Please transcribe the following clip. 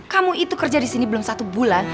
kamu itu kerja disini belum satu bulan